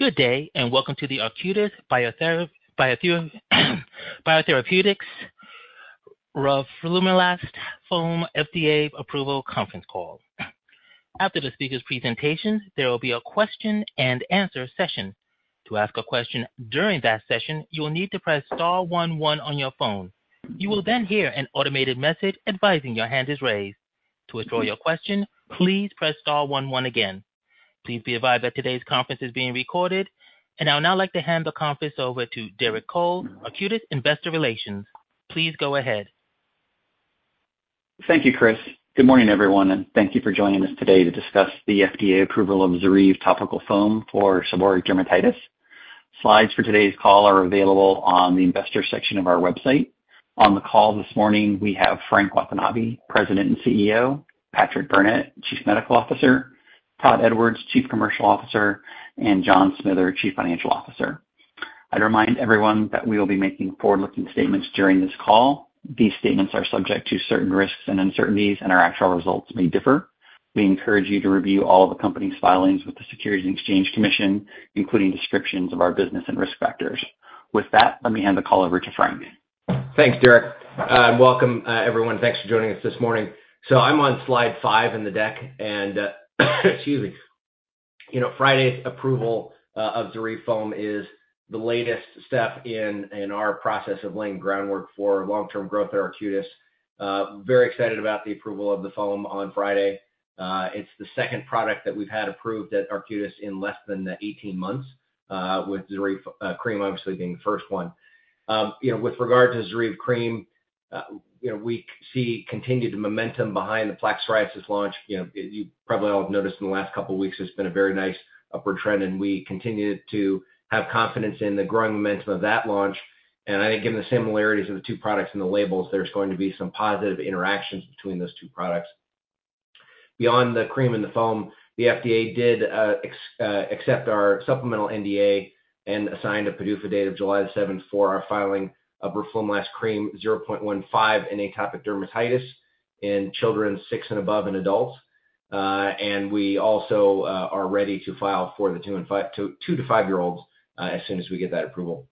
Good day, and welcome to the Arcutis Biotherapeutics roflumilast foam FDA approval conference call. After the speakers' presentation, there will be a question and answer session. To ask a question during that session, you will need to press star one one on your phone. You will then hear an automated message advising your hand is raised. To withdraw your question, please press star one one again. Please be advised that today's conference is being recorded. I would now like to hand the conference over to Derek Cole, Arcutis Investor Relations. Please go ahead. Thank you, Chris. Good morning, everyone, and thank you for joining us today to discuss the FDA approval of ZORYVE topical foam for seborrheic dermatitis. Slides for today's call are available on the investor section of our website. On the call this morning, we have Frank Watanabe, President and CEO; Patrick Burnett, Chief Medical Officer; Todd Edwards, Chief Commercial Officer; and John Smither, Chief Financial Officer. I'd remind everyone that we will be making forward-looking statements during this call. These statements are subject to certain risks and uncertainties, and our actual results may differ. We encourage you to review all the company's filings with the Securities and Exchange Commission, including descriptions of our business and risk factors. With that, let me hand the call over to Frank. Thanks, Derek, and welcome everyone. Thanks for joining us this morning. So I'm on slide five in the deck, and excuse me. You know, Friday's approval of ZORYVE foam is the latest step in our process of laying groundwork for long-term growth at Arcutis. Very excited about the approval of the foam on Friday. It's the second product that we've had approved at Arcutis in less than 18 months, with ZORYVE cream obviously being the first one. You know, with regard to ZORYVE cream, you know, we see continued momentum behind the plaque psoriasis launch. You know, you probably all have noticed in the last couple of weeks, it's been a very nice upward trend, and we continue to have confidence in the growing momentum of that launch. I think given the similarities of the two products and the labels, there's going to be some positive interactions between those two products. Beyond the cream and the foam, the FDA did accept our supplemental NDA and assigned a PDUFA date of July 7 for our filing of roflumilast cream 0.15% in atopic dermatitis in children six and above, and adults. And we also are ready to file for the two-five year-olds as soon as we get that approval.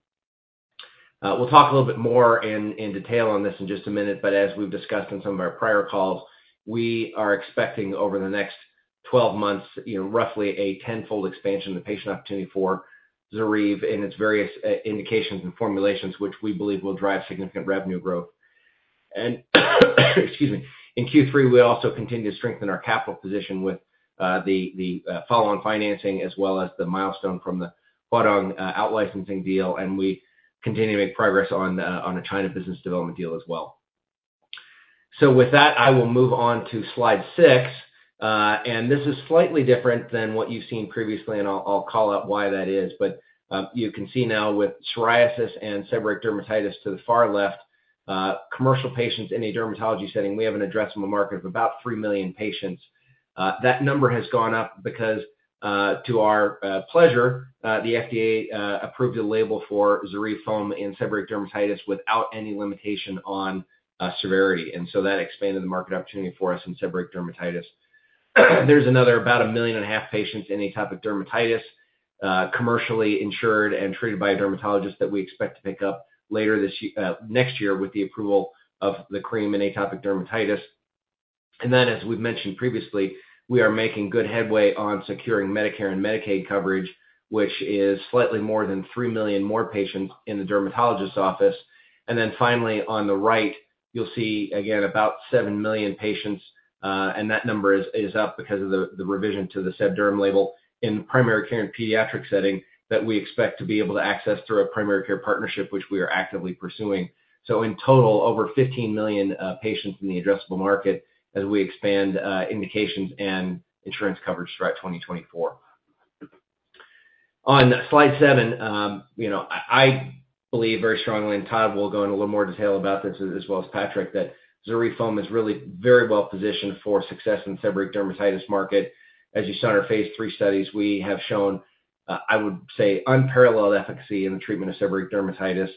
We'll talk a little bit more in detail on this in just a minute, but as we've discussed in some of our prior calls, we are expecting over the next 12 months, you know, roughly a tenfold expansion in the patient opportunity for ZORYVE in its various indications and formulations, which we believe will drive significant revenue growth. And excuse me. In Q3, we also continued to strengthen our capital position with the follow-on financing as well as the milestone from the Huadong out-licensing deal, and we continue to make progress on the China business development deal as well. So with that, I will move on to slide six. And this is slightly different than what you've seen previously, and I'll call out why that is. But, you can see now with psoriasis and seborrheic dermatitis to the far left, commercial patients in a dermatology setting, we have an addressable market of about 3 million patients. That number has gone up because, to our pleasure, the FDA approved a label for ZORYVE foam in seborrheic dermatitis without any limitation on severity, and so that expanded the market opportunity for us in seborrheic dermatitis. There's another about 1.5 million patients in atopic dermatitis, commercially insured and treated by a dermatologist that we expect to pick up later this year - next year with the approval of the cream in atopic dermatitis. And then, as we've mentioned previously, we are making good headway on securing Medicare and Medicaid coverage, which is slightly more than 3 million more patients in the dermatologist's office. Then finally, on the right, you'll see again about 7 million patients, and that number is up because of the revision to the seb derm label in primary care and pediatric setting that we expect to be able to access through a primary care partnership, which we are actively pursuing. So in total, over 15 million patients in the addressable market as we expand indications and insurance coverage throughout 2024. On slide seven, you know, I believe very strongly, and Todd will go into a little more detail about this, as well as Patrick, that ZORYVE foam is really very well positioned for success in seborrheic dermatitis market. As you saw in our phase 3 studies, we have shown, I would say, unparalleled efficacy in the treatment of seborrheic dermatitis,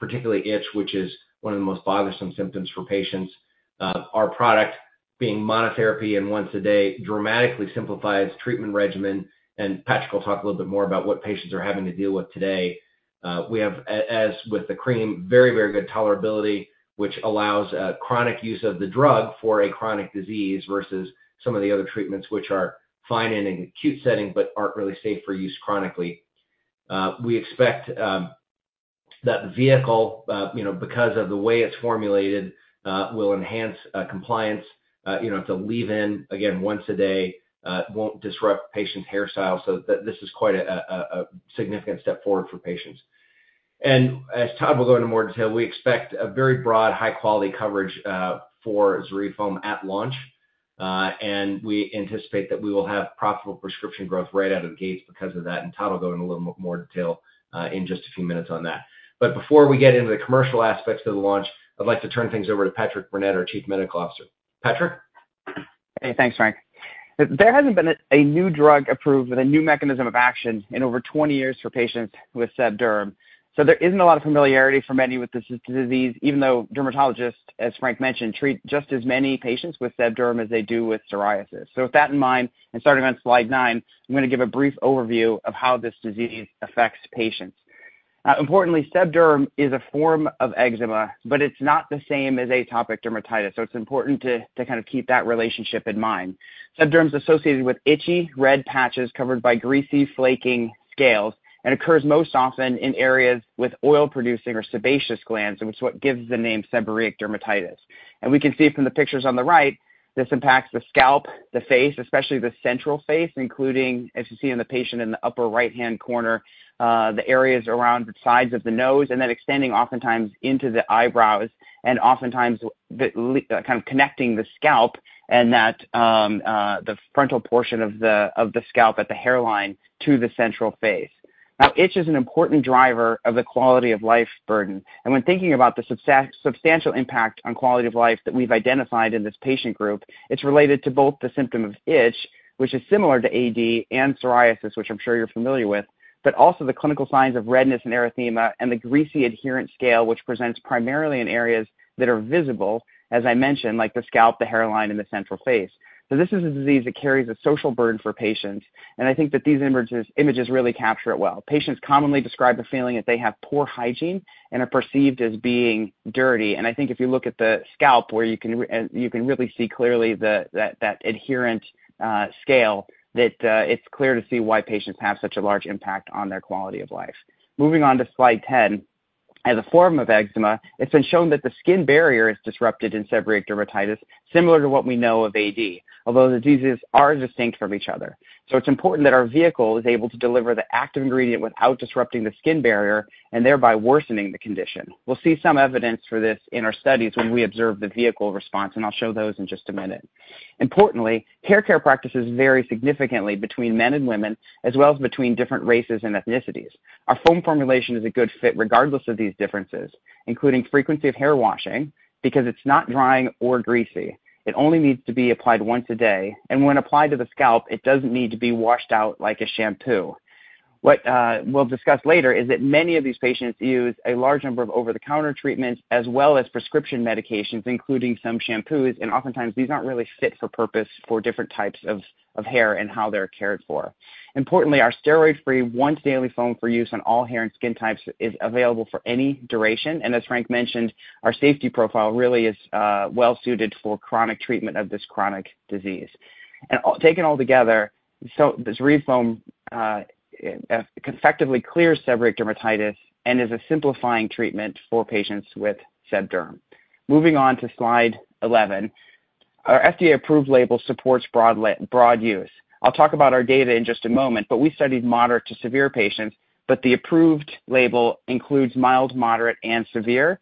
particularly itch, which is one of the most bothersome symptoms for patients. Our product, being monotherapy and once a day, dramatically simplifies treatment regimen, and Patrick will talk a little bit more about what patients are having to deal with today. We have as with the cream, very, very good tolerability, which allows chronic use of the drug for a chronic disease versus some of the other treatments, which are fine in an acute setting but aren't really safe for use chronically. We expect that the vehicle, you know, because of the way it's formulated, will enhance compliance. You know, it's a leave-in, again, once a day, won't disrupt the patient's hairstyle, so this is quite a significant step forward for patients. And as Todd will go into more detail, we expect a very broad, high-quality coverage for ZORYVE foam at launch. We anticipate that we will have profitable prescription growth right out of the gates because of that, and Todd will go into a little more detail in just a few minutes on that. But before we get into the commercial aspects of the launch, I'd like to turn things over to Patrick Burnett, our Chief Medical Officer. Patrick? Hey, thanks, Frank. There hasn't been a new drug approved with a new mechanism of action in over 20 years for patients with seb derm, so there isn't a lot of familiarity for many with this disease, even though dermatologists, as Frank mentioned, treat just as many patients with seb derm as they do with psoriasis. So with that in mind, and starting on slide nine, I'm going to give a brief overview of how this disease affects patients. Importantly, seb derm is a form of eczema, but it's not the same as atopic dermatitis, so it's important to kind of keep that relationship in mind. Seb derm is associated with itchy, red patches covered by greasy, flaking scales, and occurs most often in areas with oil-producing or sebaceous glands, and it's what gives the name seborrheic dermatitis. We can see from the pictures on the right, this impacts the scalp, the face, especially the central face, including, as you see in the patient in the upper right-hand corner, the areas around the sides of the nose, and then extending oftentimes into the eyebrows, and oftentimes, kind of connecting the scalp and that, the frontal portion of the, of the scalp at the hairline to the central face. Now, itch is an important driver of the quality of life burden, and when thinking about the substantial impact on quality of life that we've identified in this patient group, it's related to both the symptom of itch, which is similar to AD and psoriasis, which I'm sure you're familiar with, but also the clinical signs of redness and erythema and the greasy, adherent scale, which presents primarily in areas that are visible, as I mentioned, like the scalp, the hairline, and the central face. So this is a disease that carries a social burden for patients, and I think that these images, images really capture it well. Patients commonly describe the feeling that they have poor hygiene and are perceived as being dirty. I think if you look at the scalp, where you can really see clearly the adherent scale, that it's clear to see why patients have such a large impact on their quality of life. Moving on to slide 10. As a form of eczema, it's been shown that the skin barrier is disrupted in seborrheic dermatitis, similar to what we know of AD, although the diseases are distinct from each other. So it's important that our vehicle is able to deliver the active ingredient without disrupting the skin barrier and thereby worsening the condition. We'll see some evidence for this in our studies when we observe the vehicle response, and I'll show those in just a minute. Importantly, hair care practices vary significantly between men and women, as well as between different races and ethnicities. Our foam formulation is a good fit regardless of these differences, including frequency of hair washing, because it's not drying or greasy. It only needs to be applied once a day, and when applied to the scalp, it doesn't need to be washed out like a shampoo. What we'll discuss later is that many of these patients use a large number of over-the-counter treatments as well as prescription medications, including some shampoos, and oftentimes these aren't really fit for purpose for different types of hair and how they're cared for. Importantly, our steroid-free, once daily foam for use on all hair and skin types is available for any duration, and as Frank mentioned, our safety profile really is well suited for chronic treatment of this chronic disease. Taken all together, this ZORYVE foam effectively clears seborrheic dermatitis and is a simplifying treatment for patients with seb derm. Moving on to slide 11. Our FDA-approved label supports broad use. I'll talk about our data in just a moment, but we studied moderate to severe patients, but the approved label includes mild, moderate, and severe, and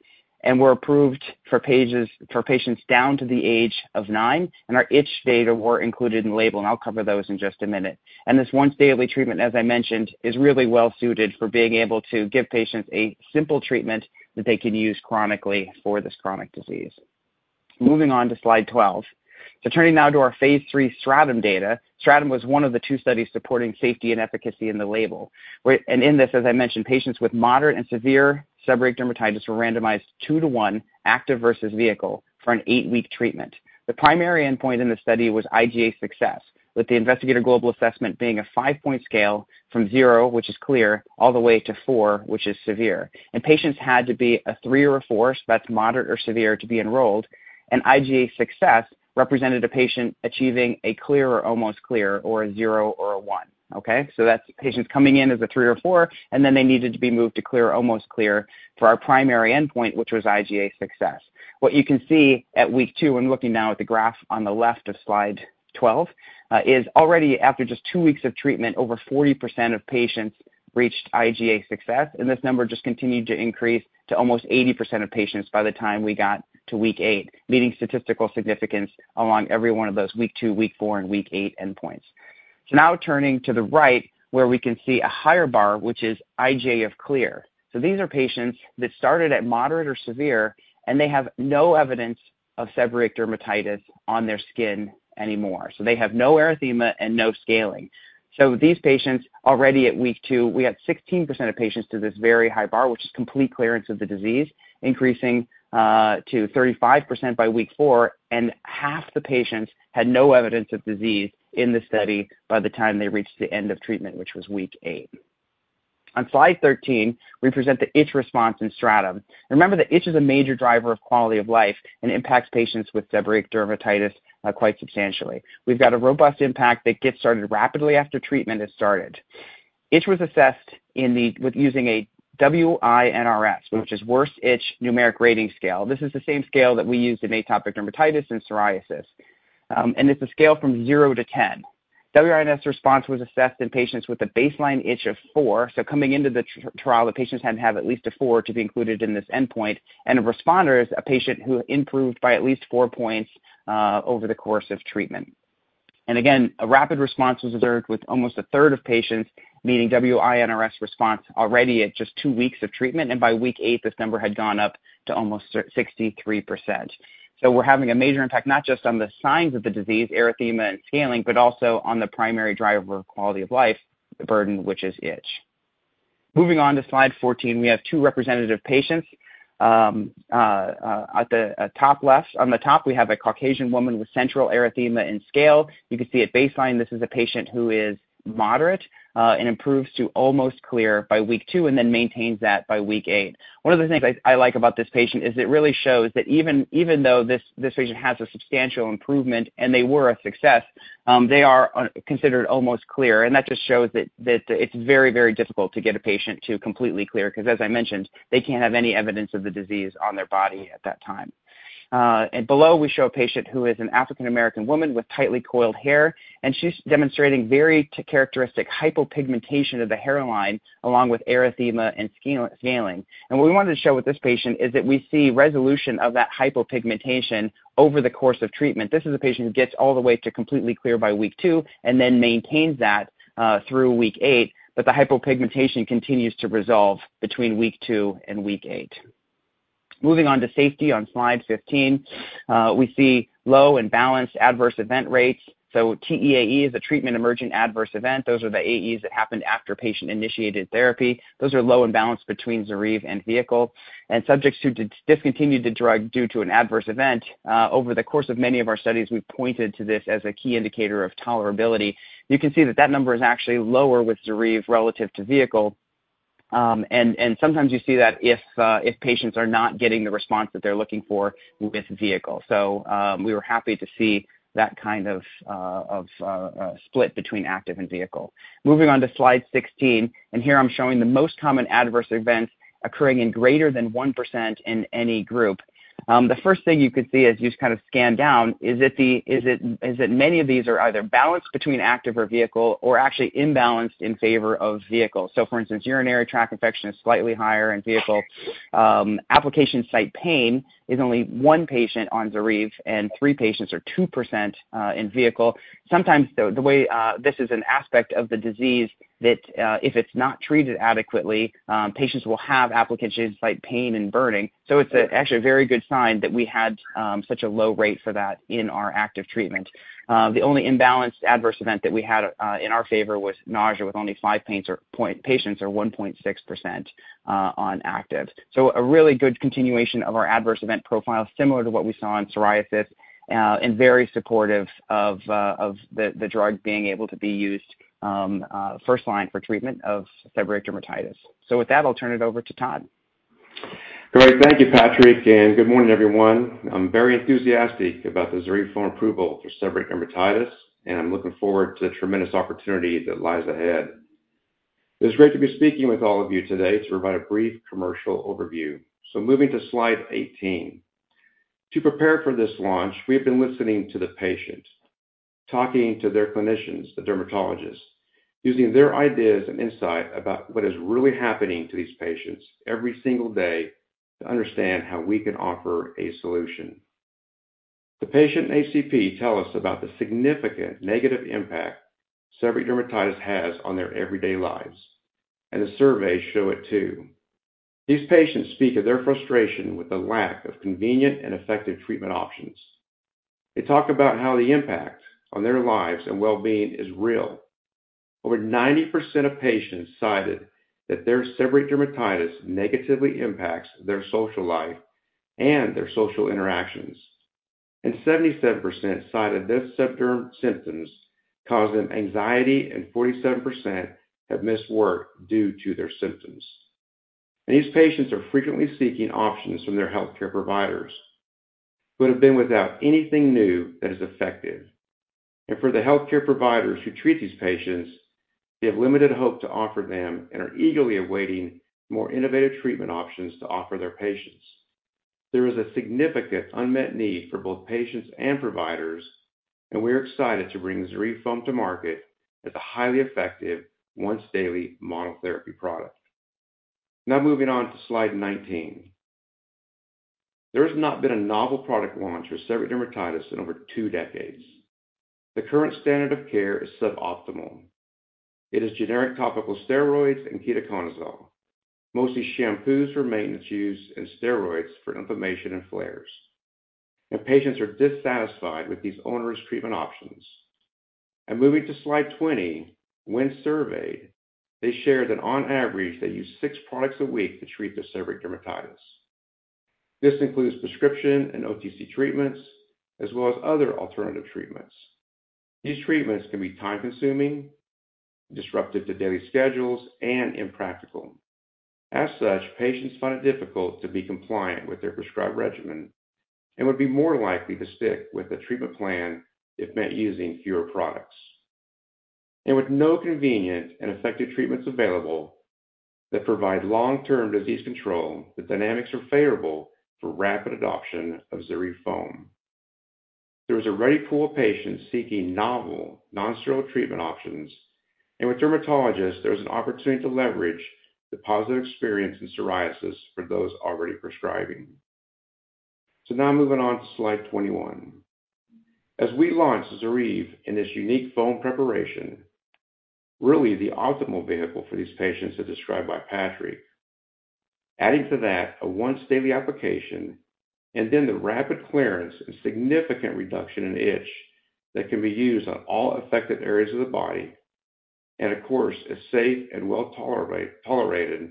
we're approved for patients down to the age of nine, and our itch data were included in the label, and I'll cover those in just a minute. This once-daily treatment, as I mentioned, is really well suited for being able to give patients a simple treatment that they can use chronically for this chronic disease. Moving on to slide 12. So turning now to our phase III STRATUM data. STRATUM was one of the two studies supporting safety and efficacy in the label. And in this, as I mentioned, patients with moderate and severe seborrheic dermatitis were randomized two to one, active versus vehicle, for an eight-week treatment. The primary endpoint in the study was IGA success, with the Investigator Global Assessment being a five-point scale from zero, which is clear, all the way to four, which is severe. Patients had to be a three or a four, so that's moderate or severe, to be enrolled. IGA success represented a patient achieving a clear or almost clear, or a zero or a one, okay? So that's patients coming in as a three or four, and then they needed to be moved to clear, almost clear for our primary endpoint, which was IGA success. What you can see at week two, and looking now at the graph on the left of slide 12, is already after just 2 weeks of treatment, over 40% of patients reached IGA success, and this number just continued to increase to almost 80% of patients by the time we got to week eight, meeting statistical significance along every one of those week two, week four, and week eight endpoints. So now turning to the right, where we can see a higher bar, which is IGA of clear. So these are patients that started at moderate or severe, and they have no evidence of seborrheic dermatitis on their skin anymore. So they have no erythema and no scaling. These patients, already at week two, we had 16% of patients to this very high bar, which is complete clearance of the disease, increasing to 35% by week four, and half the patients had no evidence of disease in the study by the time they reached the end of treatment, which was week eight. On slide 13, we present the itch response in STRATUM. Remember that itch is a major driver of quality of life and impacts patients with seborrheic dermatitis quite substantially. We've got a robust impact that gets started rapidly after treatment is started. Itch was assessed with using a WI-NRS, which is Worst Itch Numeric Rating Scale. This is the same scale that we used in atopic dermatitis and psoriasis. And it's a scale from zero to 10. WI-NRS response was assessed in patients with a baseline itch of four. So coming into the trial, the patients had to have at least a four to be included in this endpoint, and a responder is a patient who improved by at least four points over the course of treatment. And again, a rapid response was observed with almost a third of patients meeting WI-NRS response already at just two weeks of treatment, and by week eight, this number had gone up to almost sixty-three percent. So we're having a major impact, not just on the signs of the disease, erythema and scaling, but also on the primary driver of quality of life, the burden, which is itch. Moving on to slide 14, we have two representative patients.... At the top left, on the top, we have a Caucasian woman with central erythema and scale. You can see at baseline, this is a patient who is moderate, and improves to almost clear by week two, and then maintains that by week eight. One of the things I, I like about this patient is it really shows that even, even though this, this patient has a substantial improvement, and they were a success, they are considered almost clear. And that just shows that, that it's very, very difficult to get a patient to completely clear, 'cause as I mentioned, they can't have any evidence of the disease on their body at that time. And below, we show a patient who is an African American woman with tightly coiled hair, and she's demonstrating very characteristic hypopigmentation of the hairline, along with erythema and scaling. And what we wanted to show with this patient is that we see resolution of that hypopigmentation over the course of treatment. This is a patient who gets all the way to completely clear by week two, and then maintains that through week eight, but the hypopigmentation continues to resolve between week two and week eight. Moving on to safety on Slide 15. We see low and balanced adverse event rates. So TEAE is a treatment-emergent adverse event. Those are the AEs that happened after patient-initiated therapy. Those are low and balanced between ZORYVE and vehicle. Subjects who discontinued the drug due to an adverse event, over the course of many of our studies, we've pointed to this as a key indicator of tolerability. You can see that that number is actually lower with ZORYVE relative to vehicle, and sometimes you see that if patients are not getting the response that they're looking for with vehicle. So, we were happy to see that kind of split between active and vehicle. Moving on to Slide 16, and here I'm showing the most common adverse events occurring in greater than 1% in any group. The first thing you could see as you kind of scan down, is that many of these are either balanced between active or vehicle or actually imbalanced in favor of vehicle. So for instance, urinary tract infection is slightly higher in vehicle. Application site pain is only 1 patient on ZORYVE, and three patients or 2%, in vehicle. Sometimes this is an aspect of the disease that, if it's not treated adequately, patients will have application site pain and burning. So it's actually a very good sign that we had such a low rate for that in our active treatment. The only imbalanced adverse event that we had in our favor was nausea, with only five patients, or 1.6%, on active. So a really good continuation of our adverse event profile, similar to what we saw in psoriasis, and very supportive of, of the, the drug being able to be used, first line for treatment of seborrheic dermatitis. So with that, I'll turn it over to Todd. Great. Thank you, Patrick, and good morning, everyone. I'm very enthusiastic about the ZORYVE foam approval for seborrheic dermatitis, and I'm looking forward to the tremendous opportunity that lies ahead. It's great to be speaking with all of you today to provide a brief commercial overview. So moving to Slide 18. To prepare for this launch, we have been listening to the patients, talking to their clinicians, the dermatologists, using their ideas and insight about what is really happening to these patients every single day, to understand how we can offer a solution. The patient and HCPs tell us about the significant negative impact seborrheic dermatitis has on their everyday lives, and the surveys show it, too. These patients speak of their frustration with the lack of convenient and effective treatment options. They talk about how the impact on their lives and well-being is real. Over 90% of patients cited that their seborrheic dermatitis negatively impacts their social life and their social interactions, and 77% cited their seb derm symptoms cause them anxiety, and 47% have missed work due to their symptoms. These patients are frequently seeking options from their healthcare providers, who have been without anything new that is effective. For the healthcare providers who treat these patients, they have limited hope to offer them and are eagerly awaiting more innovative treatment options to offer their patients. There is a significant unmet need for both patients and providers, and we are excited to bring ZORYVE foam to market as a highly effective, once-daily monotherapy product. Now, moving on to Slide 19. There has not been a novel product launch for seborrheic dermatitis in over two decades. The current standard of care is suboptimal. It is generic topical steroids and ketoconazole, mostly shampoos for maintenance use and steroids for inflammation and flares. Patients are dissatisfied with these onerous treatment options. Moving to Slide 20, when surveyed, they shared that on average, they use six products a week to treat their seborrheic dermatitis. This includes prescription and OTC treatments, as well as other alternative treatments. These treatments can be time-consuming, disruptive to daily schedules, and impractical. As such, patients find it difficult to be compliant with their prescribed regimen and would be more likely to stick with a treatment plan if meant using fewer products. With no convenient and effective treatments available that provide long-term disease control, the dynamics are favorable for rapid adoption of ZORYVE foam. There is a ready pool of patients seeking novel, non-steroidal treatment options, and with dermatologists, there is an opportunity to leverage the positive experience in psoriasis for those already prescribing. So now moving on to Slide 21. As we launch ZORYVE in this unique foam preparation, really the optimal vehicle for these patients, as described by Patrick. Adding to that, a once-daily application and then the rapid clearance and significant reduction in itch that can be used on all affected areas of the body... And of course, is safe and well tolerated,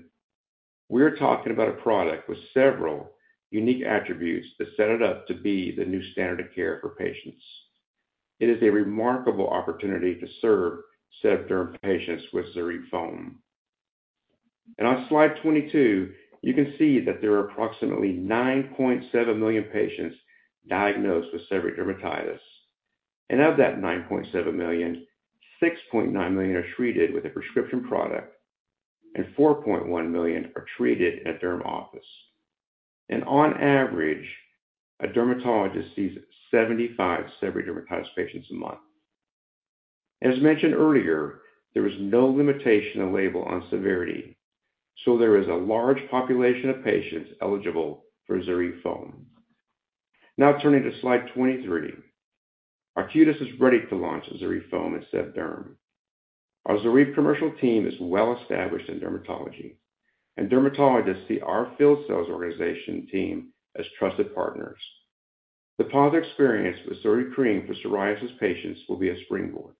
we're talking about a product with several unique attributes that set it up to be the new standard of care for patients. It is a remarkable opportunity to serve seb derm patients with ZORYVE Foam. On slide 22, you can see that there are approximately 9.7 million patients diagnosed with seborrheic dermatitis, and of that 9.7 million, 6.9 million are treated with a prescription product, and 4.1 million are treated at derm office. On average, a dermatologist sees 75 severe dermatitis patients a month. As mentioned earlier, there is no limitation on label on severity, so there is a large population of patients eligible for ZORYVE Foam. Now, turning to slide 23. Arcutis is ready to launch ZORYVE Foam in seb derm. Our ZORYVE commercial team is well established in dermatology, and dermatologists see our field sales organization team as trusted partners. The positive experience with ZORYVE Cream for psoriasis patients will be a springboard.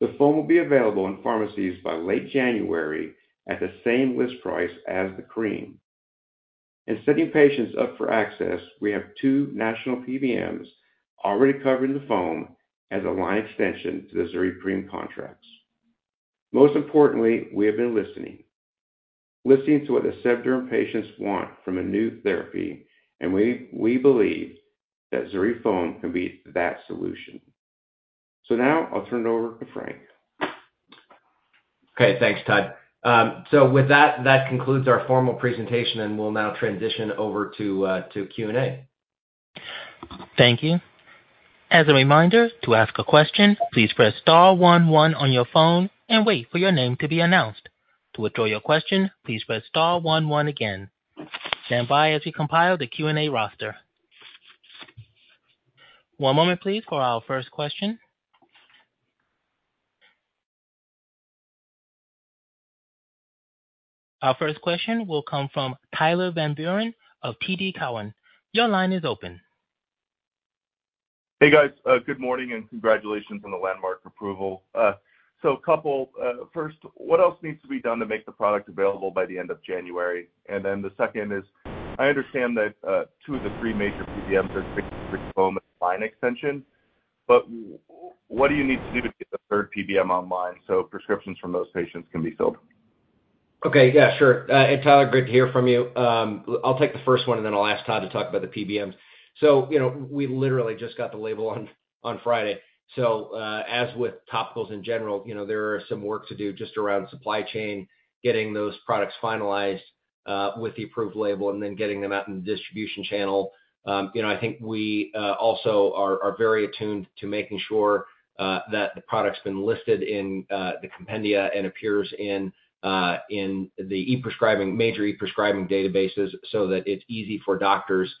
The foam will be available in pharmacies by late January at the same list price as the cream. In setting patients up for access, we have two national PBMs already covering the foam as a line extension to the ZORYVE Cream contracts. Most importantly, we have been listening, listening to what the sev derm patients want from a new therapy, and we, we believe that ZORYVE Foam can be that solution. So now I'll turn it over to Frank. Okay, thanks, Todd. So with that, that concludes our formal presentation, and we'll now transition over to Q&A. Thank you. As a reminder, to ask a question, please press star one, one on your phone and wait for your name to be announced. To withdraw your question, please press star one, one again. Stand by as we compile the Q&A roster. One moment, please, for our first question. Our first question will come from Tyler Van Buren of TD Cowen. Your line is open. Hey, guys. Good morning, and congratulations on the landmark approval. So a couple... First, what else needs to be done to make the product available by the end of January? And then the second is, I understand that two of the three major PBMs are fixing the foam line extension, but what do you need to do to get the third PBM online so prescriptions from those patients can be filled? Okay. Yeah, sure. And Tyler, great to hear from you. I'll take the first one, and then I'll ask Todd to talk about the PBMs. So, you know, we literally just got the label on Friday. So, as with topicals in general, you know, there are some work to do just around supply chain, getting those products finalized, with the approved label and then getting them out in the distribution channel. You know, I think we also are very attuned to making sure that the product's been listed in the compendia and appears in the e-prescribing, major e-prescribing databases so that it's easy for doctors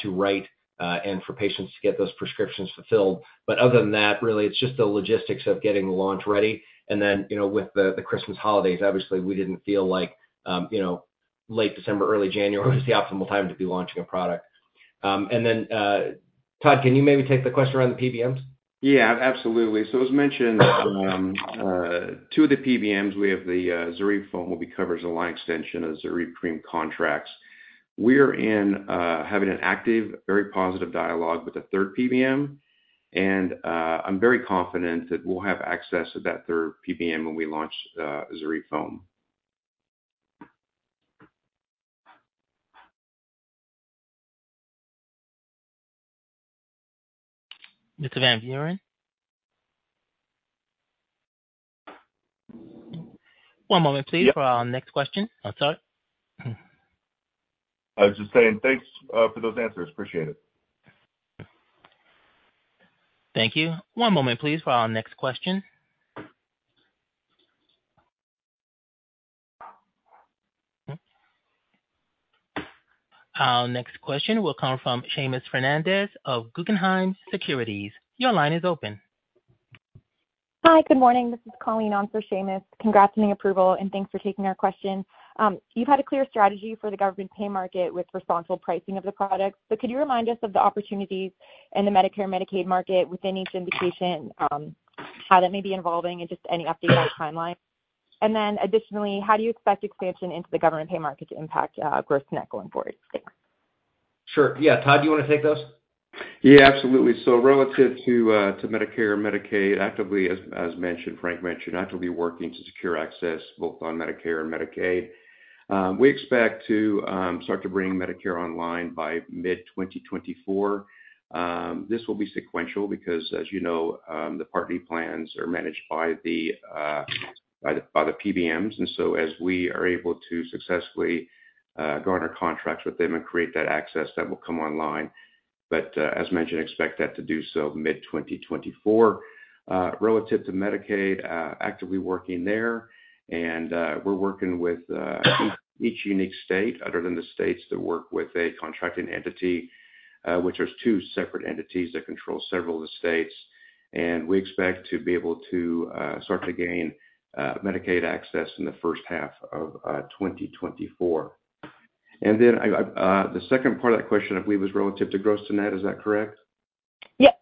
to write and for patients to get those prescriptions fulfilled. But other than that, really, it's just the logistics of getting the launch ready. Then, you know, with the Christmas holidays, obviously, we didn't feel like, you know, late December, early January was the optimal time to be launching a product. And then, Todd, can you maybe take the question around the PBMs? Yeah, absolutely. So as mentioned, two of the PBMs, we have the ZORYVE Foam, will be covered as a line extension of ZORYVE Cream contracts. We're in having an active, very positive dialogue with a third PBM, and I'm very confident that we'll have access to that third PBM when we launch ZORYVE Foam. Mr. Van Buren? One moment, please, for our next question. I'm sorry. I was just saying thanks for those answers. Appreciate it. Thank you. One moment, please, for our next question. Our next question will come from Seamus Fernandez of Guggenheim Securities. Your line is open. Hi, good morning. This is Colleen on for Seamus. Congrats on the approval, and thanks for taking our question. You've had a clear strategy for the government pay market with responsible pricing of the products, but could you remind us of the opportunities in the Medicare/Medicaid market within each indication, how that may be evolving and just any updated timeline? And then additionally, how do you expect expansion into the government pay market to impact growth net going forward? Thanks. Sure. Yeah. Todd, do you want to take those? Yeah, absolutely. So relative to Medicare and Medicaid, actively, as mentioned, Frank mentioned, actively working to secure access both on Medicare and Medicaid. We expect to start to bring Medicare online by mid-2024. This will be sequential because, as you know, the Part D plans are managed by the PBMs, and so as we are able to successfully garner contracts with them and create that access, that will come online. But, as mentioned, expect that to do so mid-2024. Relative to Medicaid, actively working there, and we're working with each unique state other than the states that work with a contracting entity, which is two separate entities that control several of the states. We expect to be able to start to gain Medicaid access in the first half of 2024. Then the second part of that question, I believe, was relative to gross-to-net, is that correct? Yep.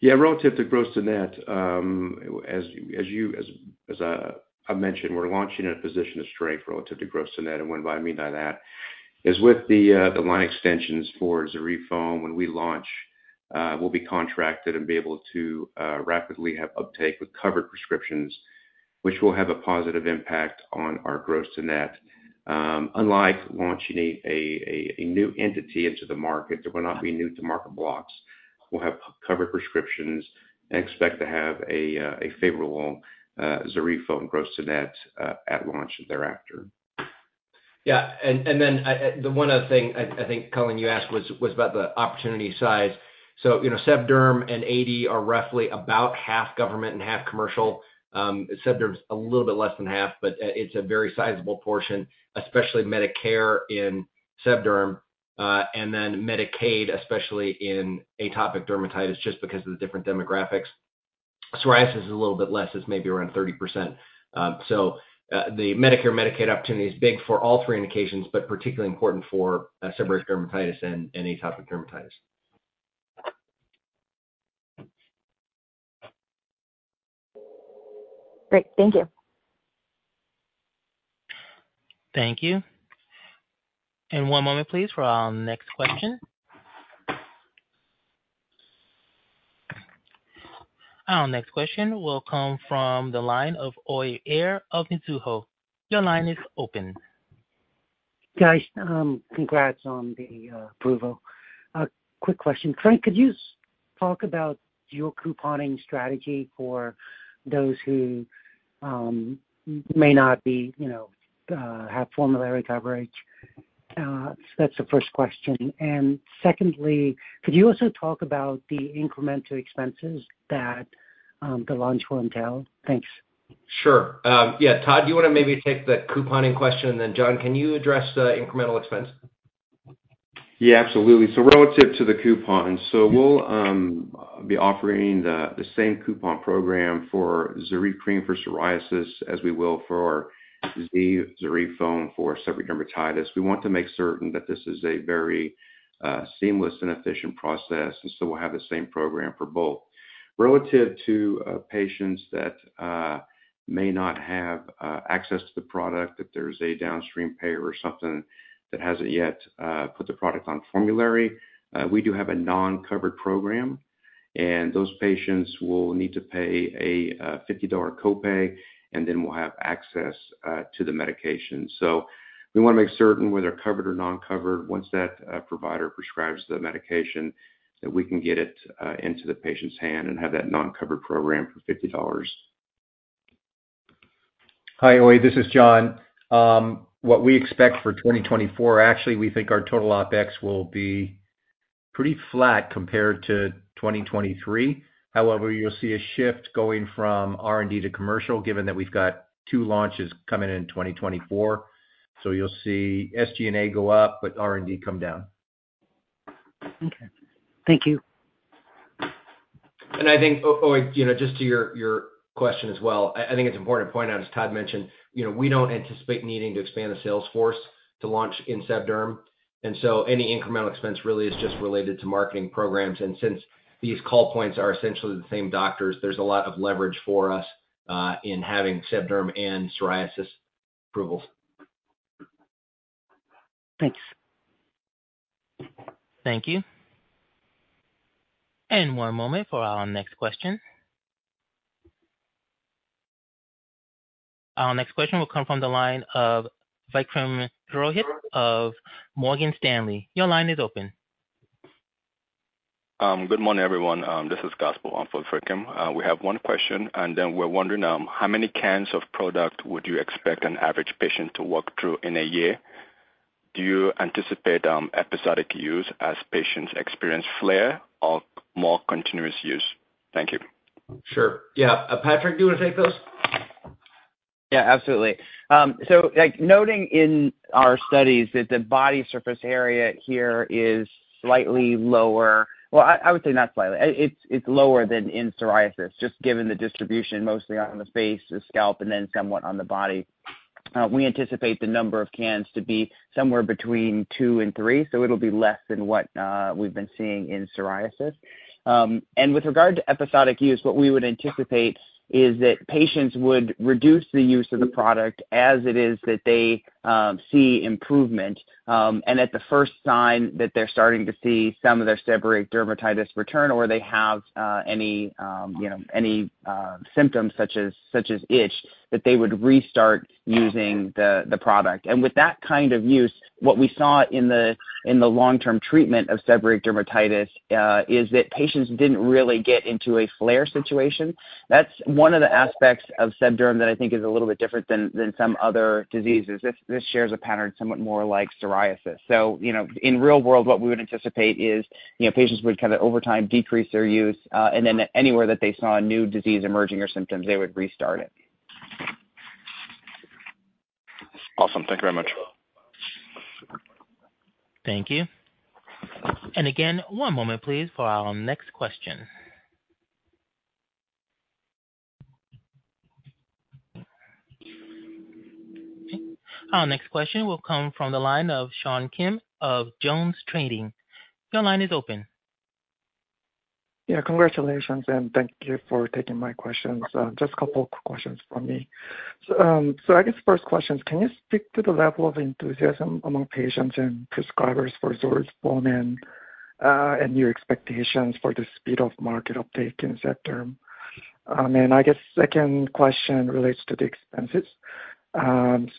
Yeah, relative to gross to net, as I mentioned, we're launching in a position of strength relative to gross to net. And what I mean by that is, with the line extensions for ZORYVE foam, when we launch, we'll be contracted and be able to rapidly have uptake with covered prescriptions, which will have a positive impact on our gross to net. Unlike launching a new entity into the market, there will not be new-to-market blocks. We'll have covered prescriptions and expect to have a favorable ZORYVE foam gross to net at launch thereafter. Yeah. And then, the one other thing I think, Colleen, you asked was about the opportunity size. So, you know, SebDerm and AD are roughly about half government and half commercial. SebDerm is a little bit less than half, but it's a very sizable portion, especially Medicare in SebDerm, and then Medicaid, especially in atopic dermatitis, just because of the different demographics. Psoriasis is a little bit less. It's maybe around 30%. So, the Medicare, Medicaid opportunity is big for all three indications, but particularly important for seborrheic dermatitis and atopic dermatitis. Great. Thank you. Thank you. One moment, please, for our next question. Our next question will come from the line of Uy Ear of Mizuho. Your line is open. Guys, congrats on the approval. A quick question. Frank, could you talk about your couponing strategy for those who may not be, you know, have formulary coverage? That's the first question. And secondly, could you also talk about the incremental expenses that the launch will entail? Thanks. Sure. Yeah, Todd, do you wanna maybe take the couponing question? And then, John, can you address the incremental expense? Yeah, absolutely. So relative to the coupons, so we'll be offering the same coupon program for ZORYVE cream for psoriasis as we will for our ZORYVE foam for seborrheic dermatitis. We want to make certain that this is a very seamless and efficient process, and so we'll have the same program for both. Relative to patients that may not have access to the product, if there's a downstream payer or something that hasn't yet put the product on formulary, we do have a non-covered program, and those patients will need to pay a $50 copay, and then will have access to the medication. So we wanna make certain, whether covered or non-covered, once that provider prescribes the medication, that we can get it into the patient's hand and have that non-covered program for $50. Hi, Uy. This is John. What we expect for 2024, actually, we think our total OpEx will be pretty flat compared to 2023. However, you'll see a shift going from R&D to commercial, given that we've got two launches coming in in 2024. So you'll see SG&A go up, but R&D come down. Okay. Thank you. I think, Uy, you know, just to your question as well, I think it's important to point out, as Todd mentioned, you know, we don't anticipate needing to expand the sales force to launch in SebDerm, and so any incremental expense really is just related to marketing programs. And since these call points are essentially the same doctors, there's a lot of leverage for us in having SebDerm and psoriasis approvals. Thanks. Thank you. And one moment for our next question. Our next question will come from the line of Vikram Purohit of Morgan Stanley. Your line is open. Good morning, everyone. This is Gospel on for Vikram. We have one question, and then we're wondering: How many cans of product would you expect an average patient to work through in a year? Do you anticipate episodic use as patients experience flare or more continuous use? Thank you. Sure. Yeah, Patrick, do you want to take this? Yeah, absolutely. So, like, noting in our studies that the body surface area here is slightly lower... Well, I would say not slightly. It's lower than in psoriasis, just given the distribution, mostly on the face, the scalp, and then somewhat on the body. We anticipate the number of cans to be somewhere between two and three, so it'll be less than what we've been seeing in psoriasis. And with regard to episodic use, what we would anticipate is that patients would reduce the use of the product as it is that they see improvement. And at the first sign that they're starting to see some of their seborrheic dermatitis return, or they have any, you know, any symptoms such as itch, that they would restart using the product. With that kind of use, what we saw in the long-term treatment of seborrheic dermatitis is that patients didn't really get into a flare situation. That's one of the aspects of SebDerm that I think is a little bit different than some other diseases. This shares a pattern somewhat more like psoriasis. So, you know, in real world, what we would anticipate is, you know, patients would kind of, over time, decrease their use, and then anywhere that they saw a new disease emerging or symptoms, they would restart it. Awesome. Thank you very much. Thank you. Again, one moment, please, for our next question. Okay. Our next question will come from the line of Sean Kim of JonesTrading. Your line is open. Yeah, congratulations, and thank you for taking my questions. Just a couple of questions from me. So, I guess first question is, can you speak to the level of enthusiasm among patients and prescribers for ZORYVE foam and your expectations for the speed of market uptake in ZORYVE? And I guess second question relates to the expenses.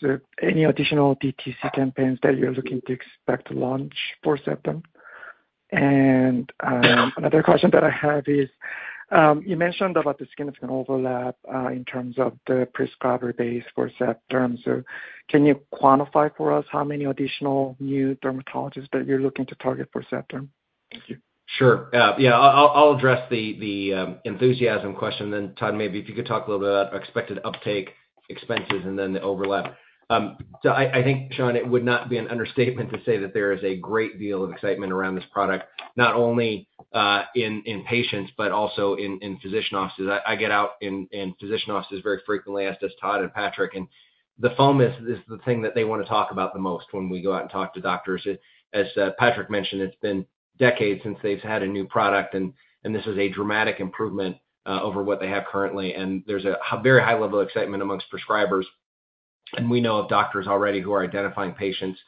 So any additional DTC campaigns that you're looking to expect to launch for ZORYVE? And another question that I have is, you mentioned about the sebderm overlap in terms of the prescriber base for ZORYVE. So can you quantify for us how many additional new dermatologists that you're looking to target for ZORYVE? Thank you. Sure. Yeah, I'll address the enthusiasm question, and then, Todd, maybe if you could talk a little bit about expected uptake expenses and then the overlap. So I think, Sean, it would not be an understatement to say that there is a great deal of excitement around this product, not only in patients, but also in physician offices. I get out in physician offices very frequently, as does Todd and Patrick, and the foam is the thing that they want to talk about the most when we go out and talk to doctors. As Patrick mentioned, it's been decades since they've had a new product, and this is a dramatic improvement over what they have currently, and there's a very high level of excitement amongst prescribers. And we know of doctors already who are identifying patients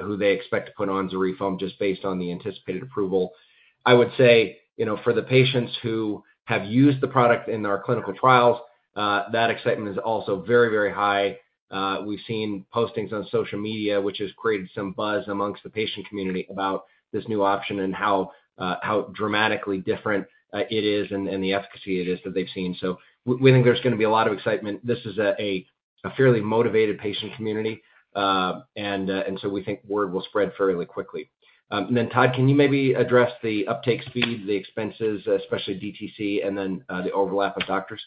who they expect to put on ZORYVE foam just based on the anticipated approval. I would say, you know, for the patients who have used the product in our clinical trials, that excitement is also very, very high. We've seen postings on social media, which has created some buzz amongst the patient community about this new option and how dramatically different it is and the efficacy it is that they've seen. So we think there's gonna be a lot of excitement. This is a fairly motivated patient community. And so we think word will spread fairly quickly. And then Todd, can you maybe address the uptake speed, the expenses, especially DTC, and then the overlap of doctors?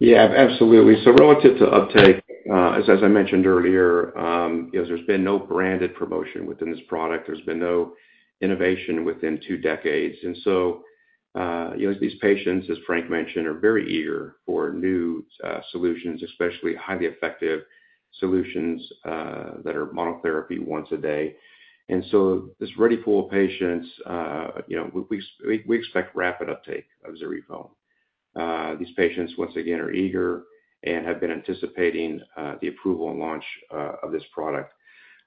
Yeah, absolutely. So relative to uptake, as I mentioned earlier, you know, there's been no branded promotion within this product. There's been no innovation within two decades. And so, you know, these patients, as Frank mentioned, are very eager for new, solutions, especially highly effective solutions, that are monotherapy once a day. And so this ready pool of patients, you know, we expect rapid uptake of ZORYVE foam. These patients, once again, are eager and have been anticipating, the approval and launch, of this product.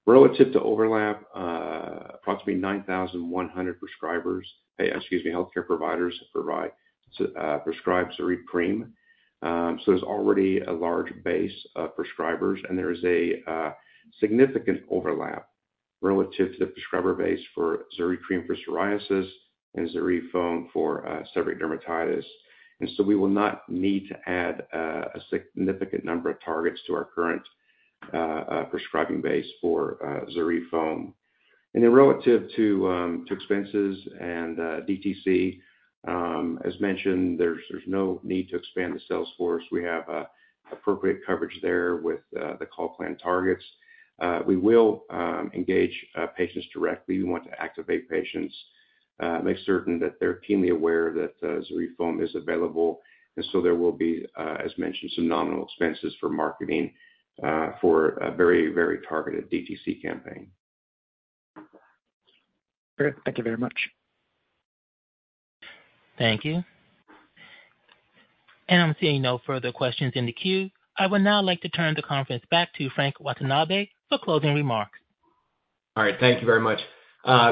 Relative to overlap, approximately 9,100 prescribers, excuse me, healthcare providers prescribe ZORYVE cream. So there's already a large base of prescribers, and there is a, significant overlap relative to the prescriber base for ZORYVE cream for psoriasis and ZORYVE foam for, seborrheic dermatitis. And so we will not need to add a significant number of targets to our current prescribing base for ZORYVE foam. And then relative to expenses and DTC, as mentioned, there's no need to expand the sales force. We have appropriate coverage there with the call plan targets. We will engage patients directly. We want to activate patients, make certain that they're keenly aware that ZORYVE foam is available. And so there will be, as mentioned, some nominal expenses for marketing for a very, very targeted DTC campaign. Great. Thank you very much. Thank you. I'm seeing no further questions in the queue. I would now like to turn the conference back to Frank Watanabe for closing remarks. All right. Thank you very much,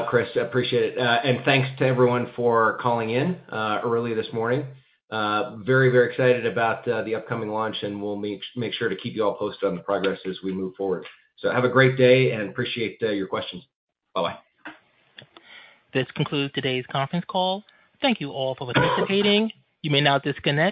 Chris. I appreciate it. And thanks to everyone for calling in early this morning. Very, very excited about the upcoming launch, and we'll make sure to keep you all posted on the progress as we move forward. So have a great day, and appreciate your questions. Bye-bye. This concludes today's conference call. Thank you all for participating. You may now disconnect.